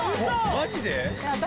マジで？